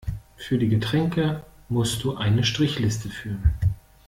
Für die Getränke muss du eine Strichliste führen.